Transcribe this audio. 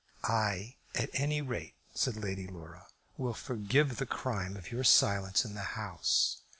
"I, at any rate," said Lady Laura, "will forgive the crime of your silence in the House.